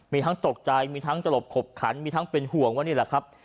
มีทั้งตกใจมีทั้งตลบขบขันมีทั้งเป็นห่วงว่านี่แหละครับ